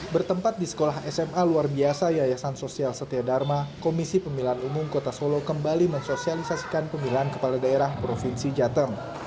bertempat di sekolah sma luar biasa yayasan sosial setia dharma komisi pemilihan umum kota solo kembali mensosialisasikan pemilihan kepala daerah provinsi jateng